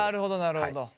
なるほど！